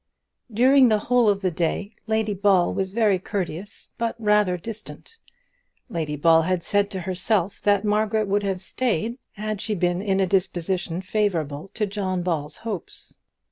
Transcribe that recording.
During the whole of the day Lady Ball was very courteous, but rather distant. Lady Ball had said to herself that Margaret would have stayed had she been in a disposition favourable to John Ball's hopes.